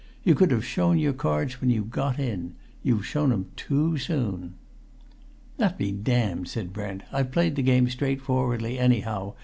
You could have shown your cards when you'd got in you've shown 'em too soon!" "That be damned!" said Brent. "I've played the game straightforwardly anyhow.